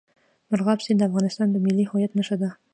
مورغاب سیند د افغانستان د ملي هویت نښه ده.